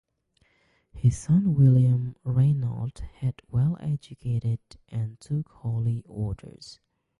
His son William Rainald had well educated, and took holy orders.